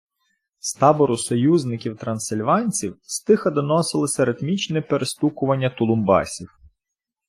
З табору союзників - трансильванців стиха доносилося ритмічне перестукування тулумбасів.